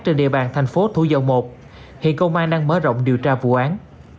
trên địa bàn thành phố thú dâu i hiện công an đang mở rộng điều tra vụ án